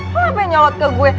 lo kenapa yang nyawat ke gue